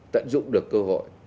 tận dụng được cơ hội